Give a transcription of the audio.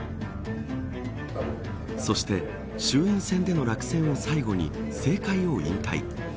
そして、衆院選での落選を最後に政界を引退。